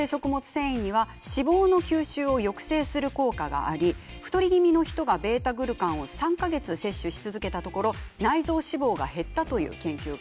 繊維には脂肪の吸収を抑制する効果があり太り気味の人がβ−グルカンを３か月摂取し続けたところ内臓脂肪が減ったという研究があるそうです。